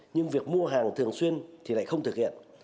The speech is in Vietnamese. nhưng việc mua hàng thường xuyên thì lại không thực hiện